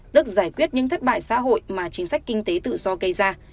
tức giải quyết những thất bại xã hội mà chính sách kinh tế tự do gây ra